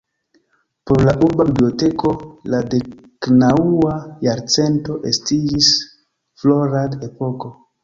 Por la Urba Biblioteko la deknaŭa jarcento estiĝis florad-epoko.